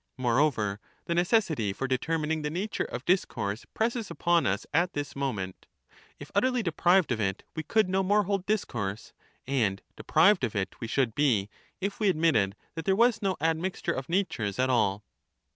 More enceswouid over, the necessity for determining the nature of discourse <ieprive us presses upon us at this moment ; if utterly deprived of it, we course, and could no more hold discourse; and deprived of it we should be without if we admitted that there was no admixture of natures at all.